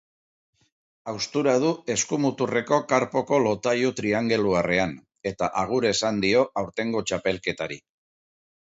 Haustura du eskumuturreko karpoko lotailu triangeluarrrean eta agur esan dio aurtengo txapelketari.